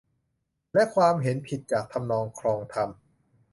และความเห็นผิดจากทำนองคลองธรรม